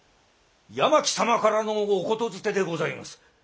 八巻様からのお言づてでございます。